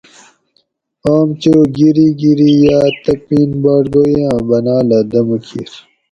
آم چو گیریں گیریں یاۤ تپِین باڈ گوئ آۤں باۤناۤلہ دمہ کِیر